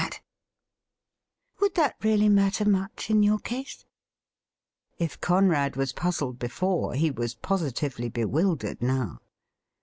80 THE RIDDLE RING ' Would that really matter much in your case ?' If Conrad was puzzled before, he was positively be wildered now.